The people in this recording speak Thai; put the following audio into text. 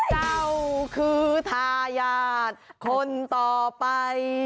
เจ้าคือทายาทคนต่อไป